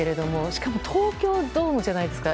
しかも東京ドームじゃないですか。